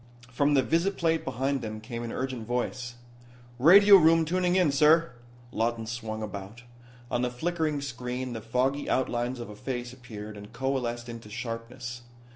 From the visiplate behind them came an urgent voice: "Radio room tuning in, sir." Lawton swung about. On the flickering screen the foggy outlines of a face appeared and coalesced into sharpness.